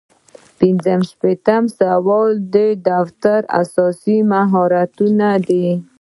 پنځه شپیتم سوال د دفتر اساسي مهارتونه دي.